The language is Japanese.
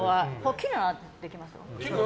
切るのはできますよ。